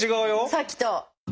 さっきと。